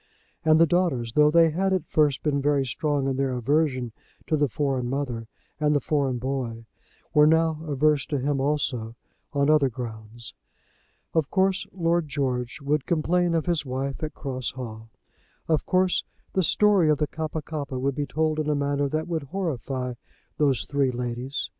And the daughters, though they had at first been very strong in their aversion to the foreign mother and the foreign boy, were now averse to him also, on other grounds. Of course Lord George would complain of his wife at Cross Hall. Of course the story of the Kappa kappa would be told in a manner that would horrify those three ladies.